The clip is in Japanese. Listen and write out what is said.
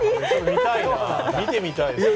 見てみたいですよね。